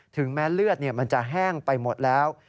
ถึงแม้เลือดมันจะแห้งไปหมดแล้ว